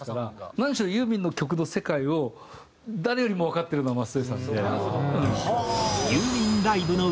何しろユーミンの曲の世界を誰よりもわかってるのは松任谷さんですから。